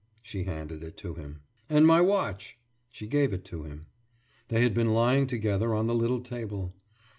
« She handed it to him. »And my watch.« She gave it to him. They had been lying together on the little table.